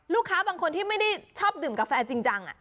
ลูกค้าบางคนที่ไม่ได้ชอบดื่มกาแฟจริง